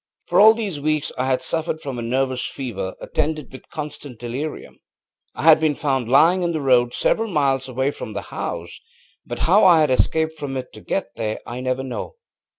For all these weeks I had suffered from a nervous fever, attended with constant delirium. I had been found lying in the road several miles away from the house; but how I had escaped from it to get there I never knew.